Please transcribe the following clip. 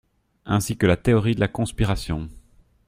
Ainsi que la théorie de la conspiration.